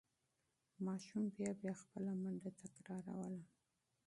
ماشوم بیا بیا خپله منډه تکراروله.